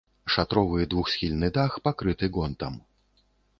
Шатровы двухсхільны дах пакрыты гонтам.